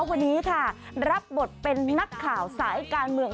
วันนี้ค่ะรับบทเป็นนักข่าวสายการเมือง